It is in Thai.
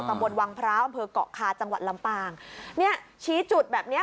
ตำบลวังพร้าวอำเภอกเกาะคาจังหวัดลำปางเนี่ยชี้จุดแบบเนี้ย